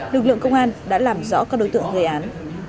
lực lượng công an đã làm rõ các đối tượng gây án